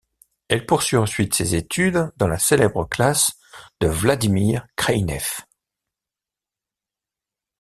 Elle poursuit ensuite ses études dans la célèbre classe de Vladimir Kraïnev.